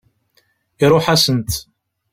Iṛuḥ-asent.